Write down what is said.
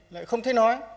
lại không thể nói